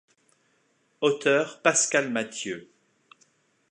Auteur Pascal Mathieu.